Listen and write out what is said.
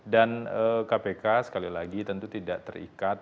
kpk sekali lagi tentu tidak terikat